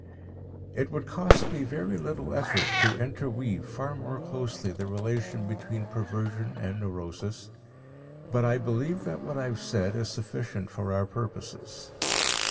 It would cost me very little effort to interweave far more closely the relation between perversion and neurosis, but I believe that what I have said is sufficient for our purposes.